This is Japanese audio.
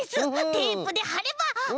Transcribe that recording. テープではれば。